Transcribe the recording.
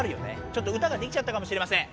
ちょっと歌ができちゃったかもしれません。